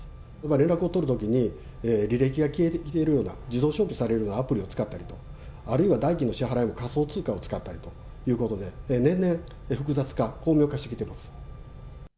連絡を取るときに、履歴が消えるような、自動消去されるようなアプリを使ったり、あるいは代金の支払いに仮想通貨を使ったりということで、年々複雑化、巧妙化してきてます。